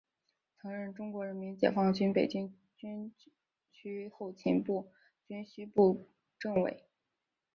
曾任中国人民解放军北京军区后勤部军需部政委。